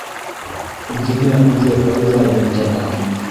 Үҙенә үҙе һыу ҙа юл таба.